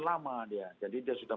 lama dia jadi dia sudah